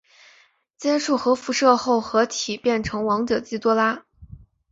接触核辐射后合体变成王者基多拉。